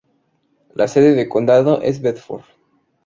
La sede de condado es Bedford.